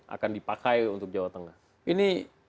akan dipakai untuk jawa tengah ini